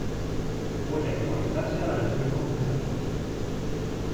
Puede actualizarse a la versión completa.